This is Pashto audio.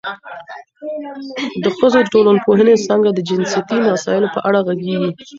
د ښځو د ټولنپوهنې څانګه د جنسیتي مسایلو په اړه غږېږي.